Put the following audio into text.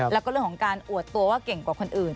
แล้วก็เรื่องของการอวดตัวว่าเก่งกว่าคนอื่น